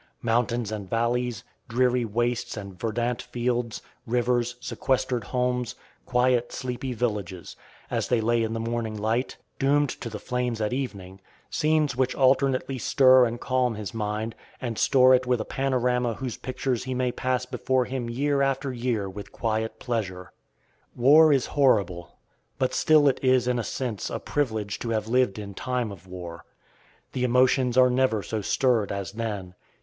Mountains and valleys, dreary wastes and verdant fields, rivers, sequestered homes, quiet, sleepy villages, as they lay in the morning light, doomed to the flames at evening; scenes which alternately stir and calm his mind, and store it with a panorama whose pictures he may pass before him year after year with quiet pleasure. War is horrible, but still it is in a sense a privilege to have lived in time of war. The emotions are never so stirred as then.